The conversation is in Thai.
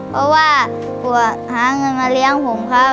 เพราะว่ากลัวหาเงินมาเลี้ยงผมเขา